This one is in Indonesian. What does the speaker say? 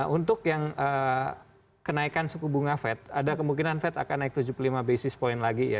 untuk yang kenaikan suku bunga fed ada kemungkinan fed akan naik tujuh puluh lima basis point lagi ya